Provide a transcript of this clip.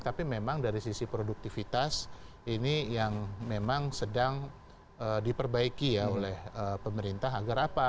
tapi memang dari sisi produktivitas ini yang memang sedang diperbaiki ya oleh pemerintah agar apa